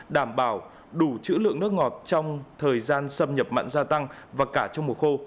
đảm bảo đủ chữ lượng nước ngọt trong thời gian xâm nhập mặn gia tăng và cả trong mùa khô